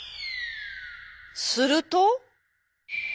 すると。